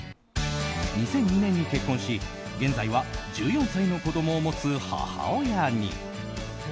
２００２年に結婚し現在は１４歳の子供を持つ母親に。